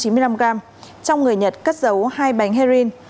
trong người nhật cất dấu hai bánh heroin